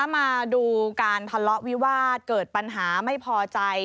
มาดูการทะเลาะวิวาสเกิดปัญหาไม่พอใจ